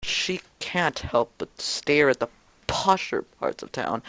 She can't help but to stare at the posher parts of town.